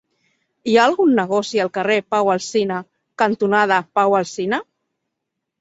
Hi ha algun negoci al carrer Pau Alsina cantonada Pau Alsina?